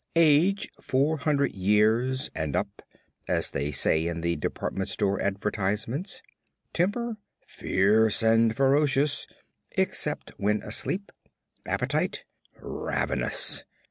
Age, 400 Years 'and Up' (as they say in the Department Store advertisements). Temper, Fierce and Ferocious. (Except when asleep.) Appetite, Ravenous.